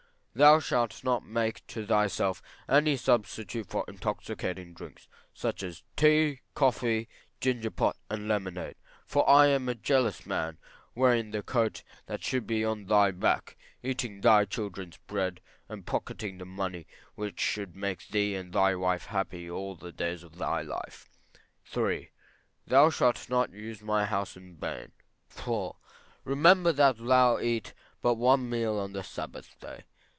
Thou shalt not make to thyself any substitute for intoxicating drinks, such as tea, coffee, ginger pop and lemonade; for I am a jealous man, wearing the coat that should be on thy back, eating thy children's bread, and pocketing the money which should make thee and thy wife happy all the days of thy life. III. Thou shalt not use my house in vain. IV. Remember that thou eat but one meal on the Sabbath day.